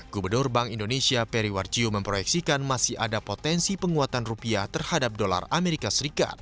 gubernur bank indonesia peri warjio memproyeksikan masih ada potensi penguatan rupiah terhadap dolar as